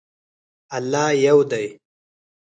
الله یو دی